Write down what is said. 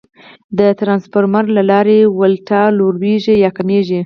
د ترانسفارمر له لارې ولټاژ لوړېږي یا کمېږي.